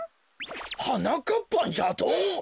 「はなかっぱん」じゃと？